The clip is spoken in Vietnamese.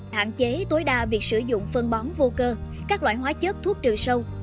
hạn chế tối đa việc sử dụng phân bón vô cơ các loại hóa chất thuốc trừ sâu